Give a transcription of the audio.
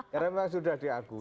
karena memang sudah diakui